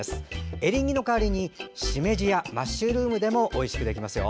エリンギの代わりにしめじや、マッシュルームでもおいしくできますよ。